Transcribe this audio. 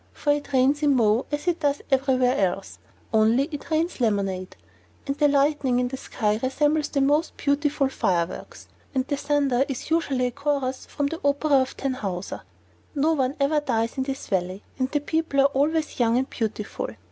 For it rains in Mo as it does everywhere else, only it rains lemonade; and the lightning in the sky resembles the most beautiful fireworks; and the thunder is usually a chorus from the opera of Tannhauser. No one ever dies in this Valley, and the people are always young and beautiful.